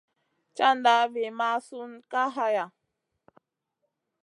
Caʼnda vi mʼasun Kay haya.